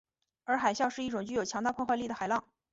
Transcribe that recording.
而海啸是一种具有强大破坏力的海浪。